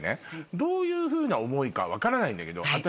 どういうふうな思いか分からないんだけど私。